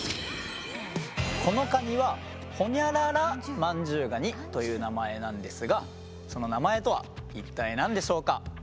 このカニはほにゃららマンジュウガニという名前なんですがその名前とは一体何でしょうか。